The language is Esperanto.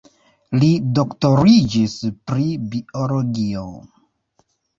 Li doktoriĝis pri biologio.